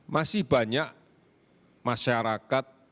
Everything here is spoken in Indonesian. masih banyak masyarakat